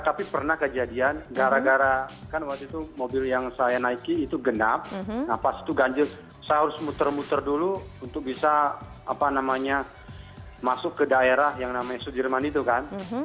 tapi pernah kejadian gara gara kan waktu itu mobil yang saya naiki itu genap nah pas itu ganjil saya harus muter muter dulu untuk bisa apa namanya masuk ke daerah yang namanya sudirman itu kan